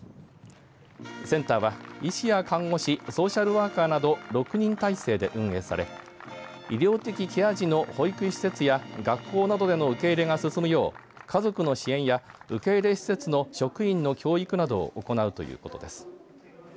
センターは医師や看護師、ソーシャルワーカーなど６人体制で運営され医療的ケア児の保育施設や学校などでの受け入れが進むよう家族の支援や受け入れ施設の職員の教育などを行うということです。